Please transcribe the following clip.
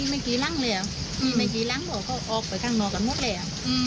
ไม่กี่รังเลยไม่กี่รังมันออกไปคั่งแบบน้อยกันหมดเลย